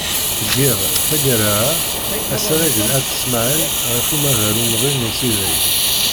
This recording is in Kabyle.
Tgiḍ, taggara-a, asarag deg Ayt Smaɛel ɣef umaḍal umḍin d usideg.